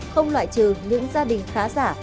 không loại trừ những gia đình khá giả